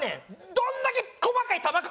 どんだけ細かい玉か。